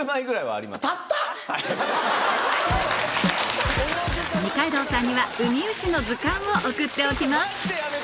たった⁉二階堂さんにはウミウシの図鑑を送っておきます